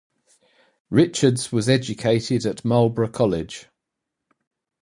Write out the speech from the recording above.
Richards was educated at Marlborough College.